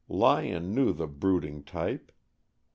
Lyon knew the brooding type.